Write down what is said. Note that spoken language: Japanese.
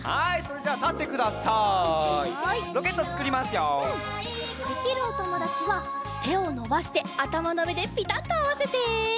できるおともだちはてをのばしてあたまのうえでピタッとあわせて。